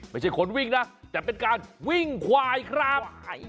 ไม่ใช่คนวิ่งนะแต่เป็นการวิ่งควายครับ